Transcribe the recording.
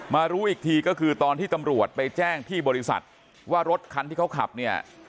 รู้อีกทีก็คือตอนที่ตำรวจไปแจ้งที่บริษัทว่ารถคันที่เขาขับเนี่ย